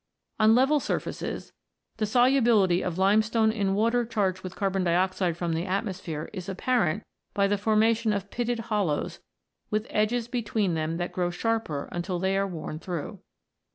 On level surfaces, the solubility of lime stone in water charged with carbon dioxide from the atmosphere is apparent by the formation of pitted hollows, with edges between them that grow sharper until they are worn through.